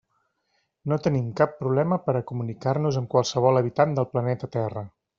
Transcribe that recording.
No tenim cap problema per a comunicar-nos amb qualsevol habitant del planeta Terra.